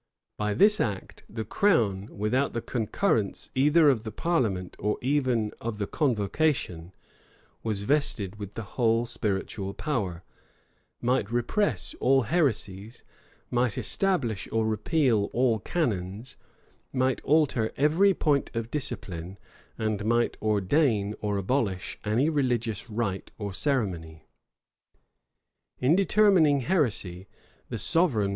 By this act, the crown, without the concurrence either of the parliament, or even of the convocation, was vested with the whole spiritual power; might repress all heresies, might establish or repeal all canons, might alter every point of discipline, and might ordain or abolish any religious rite or ceremony,[] * Camden, p. 372. Heylin, p.